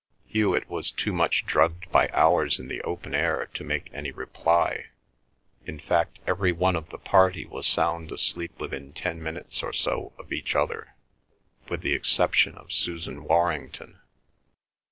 ..." Hewet was too much drugged by hours in the open air to make any reply. In fact every one of the party was sound asleep within ten minutes or so of each other, with the exception of Susan Warrington.